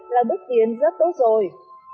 là bước tiến rất tốt rồi